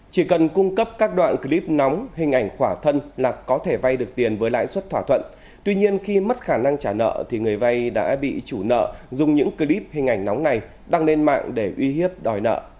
chỉ cần cung cấp các đoạn clip nóng hình ảnh khỏa thân là có thể vay được tiền với lãi suất thỏa thuận tuy nhiên khi mất khả năng trả nợ thì người vay đã bị chủ nợ dùng những clip hình ảnh nóng này đăng lên mạng để uy hiếp đòi nợ